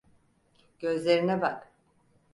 Gözlerine bak.